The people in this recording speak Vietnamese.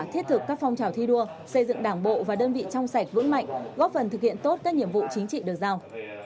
thi đua xây dựng đảng bộ và đơn vị trong sạch vững mạnh góp phần thực hiện tốt các nhiệm vụ chính trị được giao